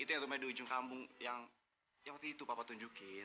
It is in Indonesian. itu yang namanya di ujung kampung yang waktu itu papa tunjukin